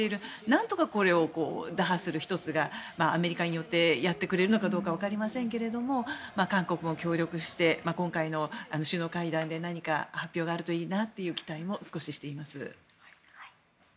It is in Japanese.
なんとかこれを打破する１つがアメリカによってやってくれるのかどうかわかりませんけれども韓国も協力して今回の首脳会談で何か発表があるといいなという期待も少ししています。